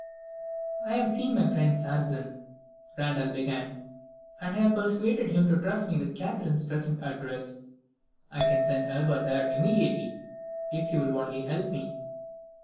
"I have seen my friend Sarrazin," Randal began, "and I have persuaded him to trust me with Catherine's present address. I can send Herbert there immediately, if you will only help me."